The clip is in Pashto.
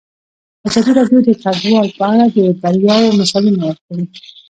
ازادي راډیو د کډوال په اړه د بریاوو مثالونه ورکړي.